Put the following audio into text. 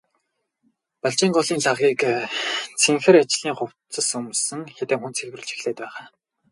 Балжийн голын лагийг цэнхэр ажлын хувцас өмссөн хэдэн хүн цэвэрлэж эхлээд байгаа.